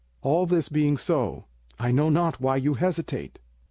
All this being so, I know not why you hesitate.